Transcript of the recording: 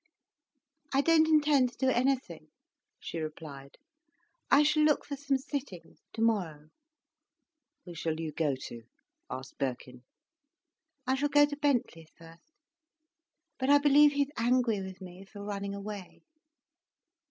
"I don't intend to do anything," she replied. "I shall look for some sittings tomorrow." "Who shall you go to?" asked Birkin. "I shall go to Bentley's first. But I believe he's angwy with me for running away."